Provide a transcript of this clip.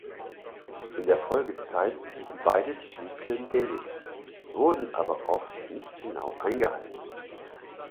In der Folgezeit blieben beide Zyklen gängig, wurden aber oft nicht genau eingehalten.